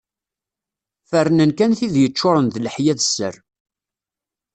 Ferrnen kan tid yeččuren d leḥya d sser.